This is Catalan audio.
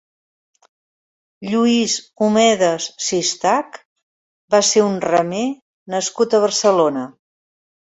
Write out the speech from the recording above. Lluís Omedes Sistach va ser un remer nascut a Barcelona.